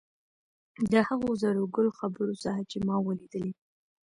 د هغو زرو ګل خبرو څخه چې ما ولیدلې.